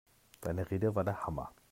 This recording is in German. Deine Rede war der Hammer!